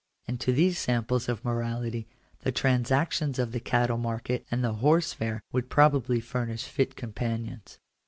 And to these samples of morality the trans actions of the cattle market and the horse fair would probably furnish fit companions.